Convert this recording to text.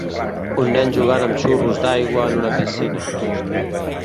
Un nen jugant amb xurros d'aigua en una piscina.